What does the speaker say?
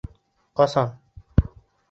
Ҡасан?..